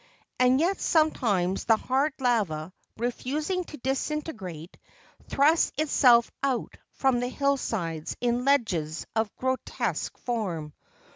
And yet sometimes the hard lava, refusing to disintegrate, thrusts itself out from the hillsides in ledges of grotesque form.